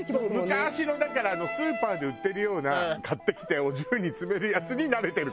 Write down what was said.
昔のだからスーパーで売ってるような買ってきてお重に詰めるやつに慣れてるから。